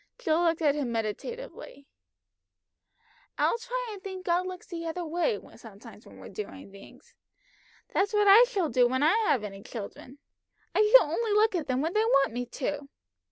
Jill looked at him meditatively. "I try and think God looks the other way sometimes when we're doing things. That's what I shall do when I have any children. I shall only look at them when they want me to!